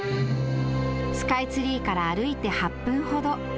スカイツリーから歩いて８分ほど。